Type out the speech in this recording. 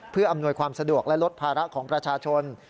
เพื่ออำนวยความสะดวกและลดภาระของประชาชน